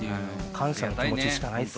感謝の気持ちしかないっすね。